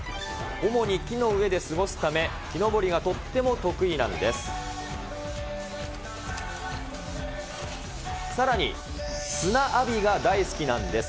主に木の上で過ごすため、木登りがとっても得意なんです。